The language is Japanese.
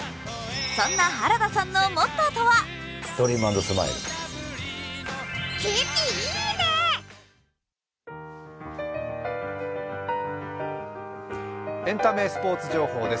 そんな原田さんのモットーとはエンタメスポーツ情報です。